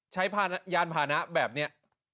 ยานพานะแบบนี้